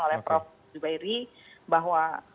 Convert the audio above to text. oleh prof zubairi bahwa